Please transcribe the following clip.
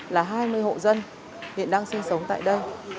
là hai mươi hộ dân hiện đang sinh sống tại đây